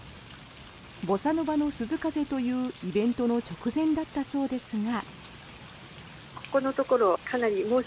ボサノバの涼風というイベントの直前だったそうですが。